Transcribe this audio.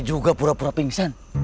juga pura pura pingsan